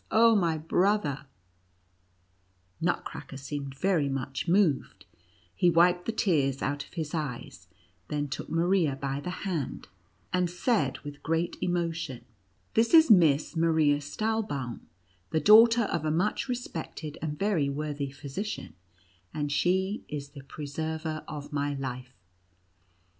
Oh, my brother 1" Nutcracker seemed very much moved; he wiped the tears out of his eyes ; then took Maria by the hand, and said with great emotion: "This is Miss Maria Stahlbaum, the daughter of a much respected and very worthy physician, and she is the preserver of my life.